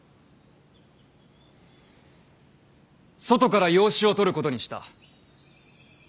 外から養子を取ることにした。